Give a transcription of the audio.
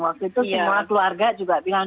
waktu itu semua keluarga juga bilang